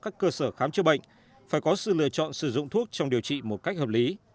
các cơ sở khám chữa bệnh phải có sự lựa chọn sử dụng thuốc trong điều trị một cách hợp lý